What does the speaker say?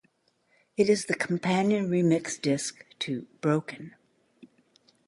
It is the companion remix disc to "Broken".